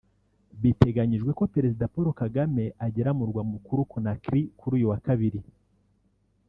Biteganyijwe ko Perezida Paul Kagame agera mu murwa mukuru Conakry kuri uyu wa Kabiri